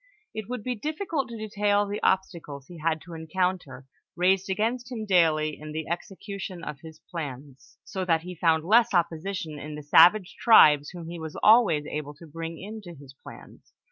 It would be difficult to detail the obstacles he had to en counter, raised against him daily in the execution of his plans, so that he found less opposition in the savage tribes whom he was always able to bring into his plans.